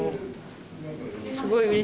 えすごい！